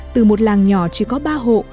từ một làng nhỏ chỉ có ba hộ